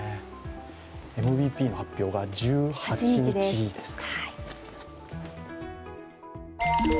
ＭＶＰの発表が１８日です。